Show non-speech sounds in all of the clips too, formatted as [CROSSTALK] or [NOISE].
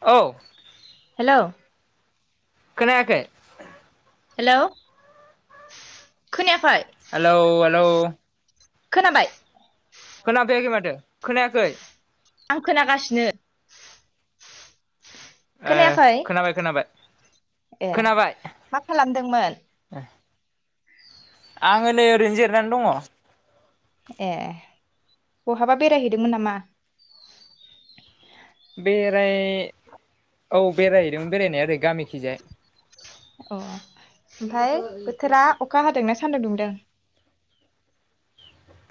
औ हेलौ खोनायाखै हेलौ खोनायाखै हेलौ हेलौ खोनाबाय खोनाफैयाखै माथो खोनायाखै आं खोनागासिनो ए खोनायाखै खोनाबाय खोनाबाय ए खोनाबाय मा खालामदोंमोन? आंङो नै ओरैनो जिरनानै दंङ। ए बहाबा बेरायहैदोंमोन नामा बेराय औ बेरायहैदोंमोन बेरायनाया ओरै गामिखिजाय। अ ओमफ्राय बोथोरा अखा हादोंना सान्दुं दुंदों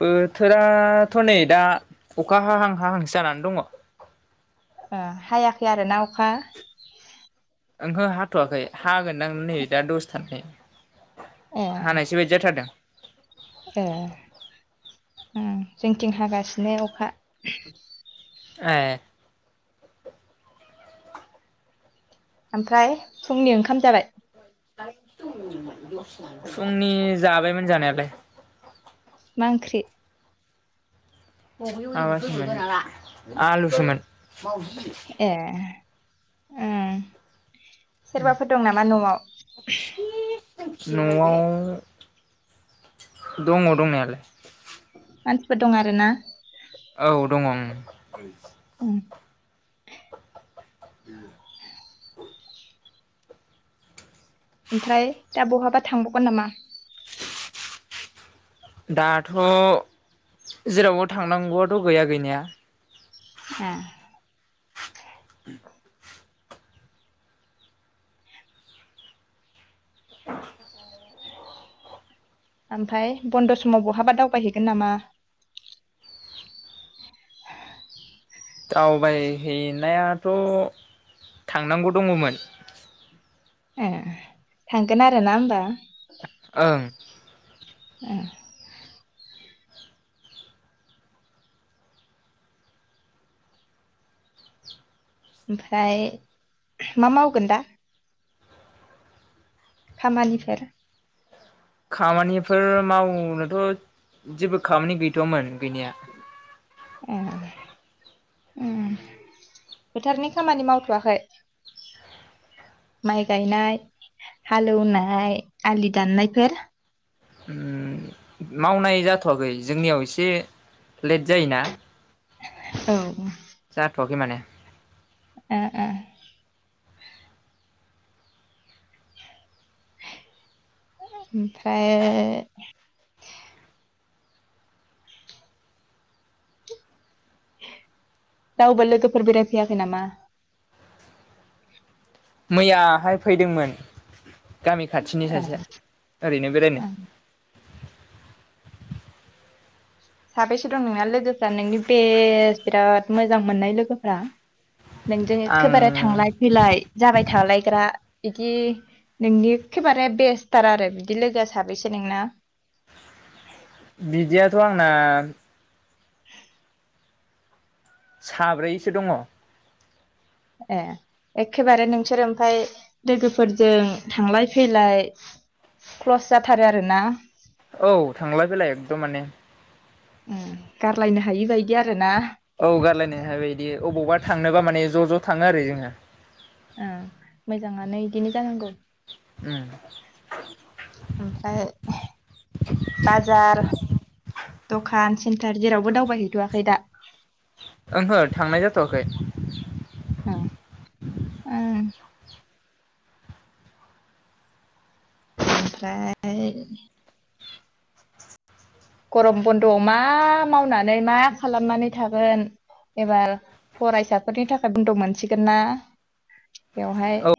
बोथोराथ' नै दा अखा हाहां-हाहांसो जानानै दंङ। हायाखै आरो ना अखा ओंहो हाथ'वाखै हागोनदां नै दा दसथानानै। ए हानायसो बायदि जाथारदों। ए अम जोंथिं हागासिनो अखा। एह। ओमफ्राय फुंनि ओंखाम जाबाय। फुंनि जाबायमोन जानायालाय। मा ओंख्रि माबासोमोन आलु सोमोन। अम उम सोरबाफोर दं नामा न'आव न'आव दंङ दंनायालाय मानसिफोर दं आरो ना औ दंङ अम उम [INAUDIBLE] ओमफ्राय दा बहाबा थांबावगोन नामा दाथ' जेरावबो थांनांगौआथ' गैया गैनाया ए [INAUDIBLE] [INAUDIBLE] ओमफ्राय बन्द' समाव बहाबा दावबायहैगोन नामा दावबायहैनायाथ' थांनांगौ दङमोन ए थांगोन आरो ना होमबा ओं ओ ओमफ्राय मा मावगोन दा खामानिफोर खामानिफोर मावनोथ' जेबो खामानि गैथ'वामोन गैनाया एह उम फोथारनि खामानि मावथ'वाखै माइ गायनाय हालेवनाय आलि दाननायफोर ओ मावनाय जाथ'वाखै जोंनियाव एसे लेट जायोना औ जाथ'आखै माने उम उम ओमफ्राय रावबो लोगोफोर बेरायफैयाखै नामा मैयाहाय फैदोंमोन गामि खाथिनि सासेया ओरैनो बेरायनो ओं साबेसे दं नोंना लोगोफ्रा नोंनि बेस बिराद मोजां मोननाय लोगोफ्रा नोंजों आं एखेबारे थांलाय फैलाय जाबाय थालायग्रा बिदि नोंनि एखेबारे बेस्थार आरो बिदि लोगोआ साबैसे नोंना [INAUDIBLE] बिदियाथ' आंना [INAUDIBLE] साब्रैसो दङ ए एखेबारे नोंसोर ओमफ्राय लोगोफोरजों थांलाय फैलाय क्लस जाथारो आरोना औ थांलाय फैलाय एकदम माने उम गारलायनो हायि बायदि आरो ना औ गारलायनो हायि बायदि अबावबा थांनोबा माने ज' ज' थाङो आरो जोङो उम मोजाङानो बिदिनो जानांगौ उम ओमफ्राय बाजार दखान सेन्टार जेरावबो दावबायहैथ'आखै दा ओहो थांनाय जाथ'वाखै उम उम ओमफ्राय गरम बन्द'आव मा मावनानै मा खालामनानै थागोन एबार फरायसाफोरनि थाखाय बन्द' मोनसिगोन ना बेवहाय औ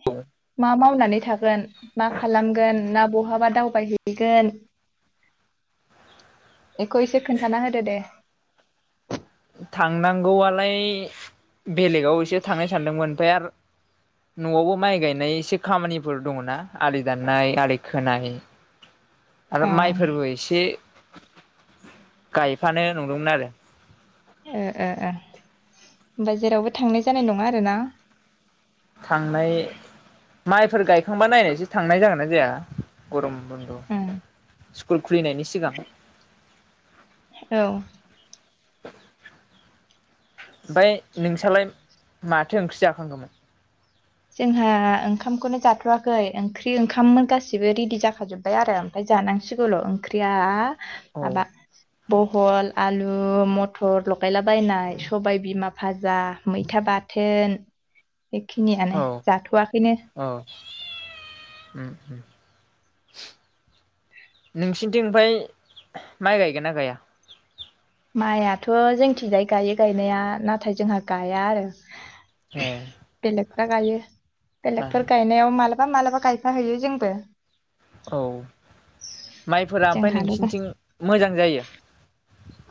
मा माव नानै थागोन मा खालामगोन ना बहाबा दावबायहैगोन बेखौ एसे खोन्थाना होदो दे थांनांगौआलाय बेलेगाव एसे थांनो सानदोंमोन ओमफ्राय आरो न'आवबो माइ गायनाय एसे खामानिफोर दङना आलि दाननाय आलि खोनाय [INAUDIBLE] आरो ओं माइफोरबो एसे गायफानो नंदोंमोन आरो ओ ओ ओ होमबा जेरावबो थांनाय जानाय नङा आरो ना? थांनाय माइफोर गायखांबा नायनायसै थांनाय जागोना जाया गरम बन्द ओं स्कुल खुलिनायनि सिगां औ। ओमफ्राय नोंसालाय माथो ओंख्रि जाखांखोमोन? जोंहा ओंखामखौनो जाथ'वाखै। ओंख्रि ओंखाममोन गासिबो रेडि जाखाजोब्बाय आरो ओमफ्राय जानांसिगौल' ओंख्रिया औ। माबा बहल, आलु, मथर लगायलाबायनाय सबाय बिमा फाजा, मैथा बा थोन बेखिनियानो औ जाथ'आाखैनो। उम उम। नोंसिनिथिं ओमफ्राय माइ गायगोन ना गाया? माइयाथ' जोंथिंजाय गायो गायनाया नाथाय जोंहा गाया आरो। ए दा गायो बेलेगफोर गायनायाव मालाबा मालाबा गायफा‌ हैैयो जोंबो। औ माइफोरा ओमफाय जोंहाल' गासै नोंसिनिथिं मोजां जायो?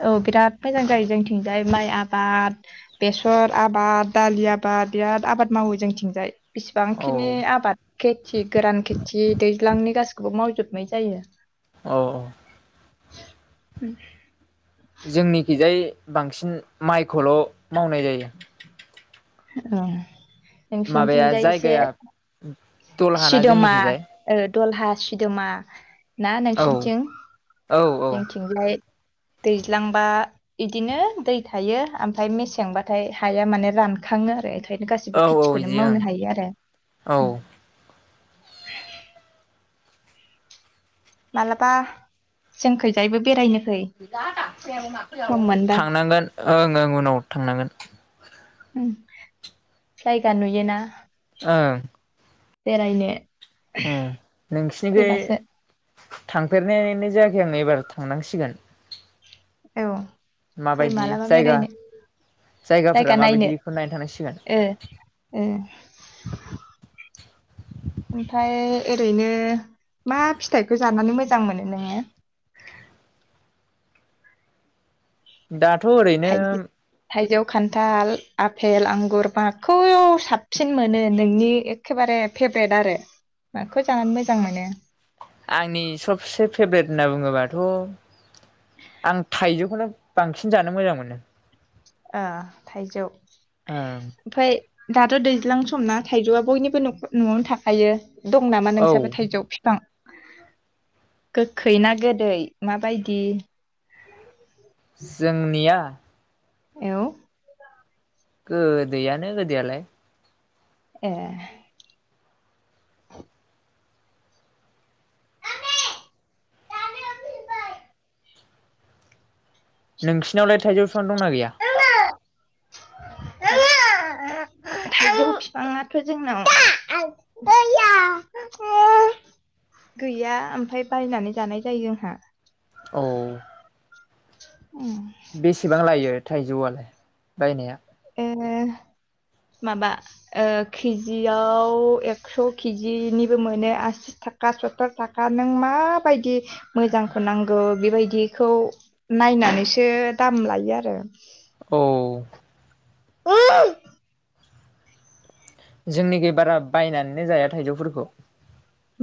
औ बिराद मोजां जायो जोंथिंजाय माइ आबाद बेसर आबाद दालि आ बाद दियाद आबाद मावो जोंथिंजाय। औ बिसिबांखिनि आबाद खेथि गोरान खेथि दैज्लांनि गासिखौबो माव जोबनाय जायो। औ औ उम जोंनिखिजाय बांसिन माइखौल' मावनाय जायो। [UNINTELLIGIBLE] माबाया नोंसिनिथिंजाय एसे जायगाया दलहाना सिदोमा जोंनिखिजाय ओ दलहा सिदोमा ना औ नोंसिनिथिं औ जोंथिंलाय दैज्लांबा इदिनो दै थायो आमफ्राय मेसेंबाथाय हाया माने रान खाङो आरो एखायनो औ गासिबो औ खेथिखौनो बिदि ओं मावनो हायो आरो। औ उम [INAUDIBLE] मालाबा जोंखैजायबो बेरायनो फै [INAUDIBLE] सम मोनबा थांनांगोन ओं ओं उनाव थांनांगोन। उम जायगा नुयोना। ओं बेरायनो उम नोंसिनिखै फैबासो थांफेरनायनै जायाखै आं एबार थांनांसिगोन। औ फै माबायदि मालाबा जायगा बेरायनो। जायगाफोरा जायगा माबायदि नायनो बेखौ थांनांसिगोन ओ ओ [INAUDIBLE] ओमफाय ओरैनो मा फिथाइखौ जानानै मोजां मोनो नोङो? [INAUDIBLE] दाथ' ओरैनो थाइजौ थाइजौ खान्थाल आफेल आंगुर माखौ साबसिन मोनो नोंनि एखेबा रे फेभ्रेट आरो माखौ जानानै मोजां मोनो? आंनि सबसे फेभ्रेट होनना बुङोबाथ' आं थाइजौखौनो बांसिन जानो मोजां मोनो। ओ थाइजौ ओं ओमफ्राय दाथ' दैज्लां समना थाइजौआ बयनिबो न'खर न'आवनो थाखायो। दं नामा औ नोंसाबो थाइजौ फिफां? गोखै ना गोदै माबायदि? जोंनिया एव गोदैयानो गोदैयालाय ए नोंसिनावलाय थाइजौ फिफां दंना गैया? [UNINTELLIGIBLE] थाइजौ फिफाङाथ' जोंनाव [UNINTELLIGIBLE] गैया ओमफाय बायनानै जानाय जायो जोंहा। औ बेसेबां लायो थाइजौआलाय बायनाया? ओ माबा ओ केजियाव एक्स' किजिनिबो मोनो आसि थाखा सतर थाखा नों मा बायदि मोजांखौ नांगौ बेबायदिखौ ना नायनानैसो दाम लायो आरो औ [UNINTELLIGIBLE] जोंनिखि बारा बायनानैनो जाया थाइजौफोरखौ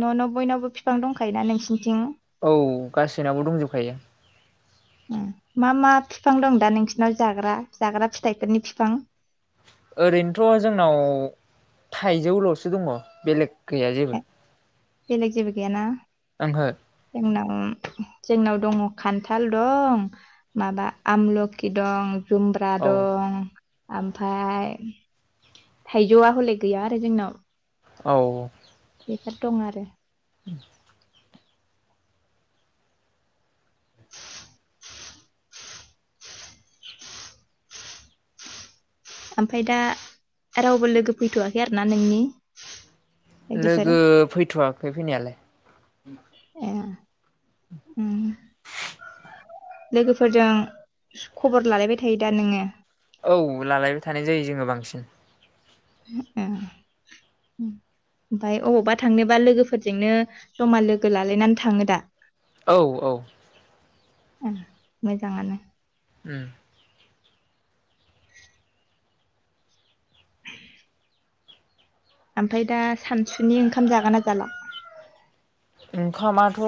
न' न' बयनावबो बफफां दंखायोना नोंसिनिथिं औ गासैनावबो दंजोबखायो उम मा मा फिफां दं दा नोंसिनाव जाग्रा जाग्रा फिथाइफोरनि फिफां ओरैनोथ' जोंनाव थाइजौल'सो दङ बेलेग गैया जेबो बेलेग जेबो गैयाना ओंहो जोंनाव जोंनाव दङ खान्थाल दं माबा आमलखि दं जुमब्रा औ दं ओमफ्राय थाइजौआ हले गैया आरो जोंनाव औ बेफोर दं आरो [INAUDIBLE] ओमफाय दा रावबो लोगो फैथ'वाखै आरोना नोंनि लोगोफोर लोगो फैथ'वाखै फैनायालाय ए लोगोफोरजों खबर लालायबाय थायो दा नोङो औ लालायबाय थानाय जायो जोङो बांसिन ए ओमफफाय अबावबा थांनोबा लोगोफोरजोंनो जमा लोगो लालायनानै थाङो दा। औ औ ओ मोजांङानो उम ओमफ्राय दा सानसुनि ओंखाम जागोन ना जाला ओंखामाथ'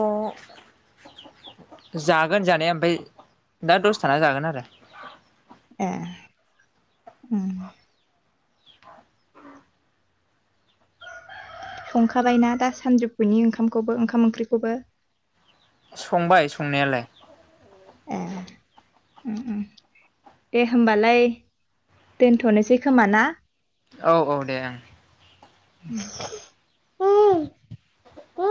जागोन जानाया ओमफ्राय दा दसथाना जागोन आरो ए उम संखाबायना दा सानजौफुनि ओंखामखौबो ओंखाम ओंख्रिखौबो संबाय संनायालाय ए उम उम दे होमबालाय दोनथ'नोसै खोमा ना? औ औ दे ओं ह